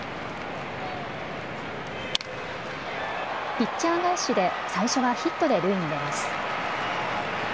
ピッチャー返しで最初はヒットで塁に出ます。